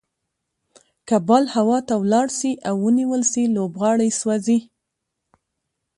که بال هوا ته ولاړ سي او ونيول سي؛ لوبغاړی سوځي.